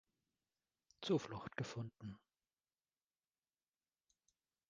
Zuflucht gefunden.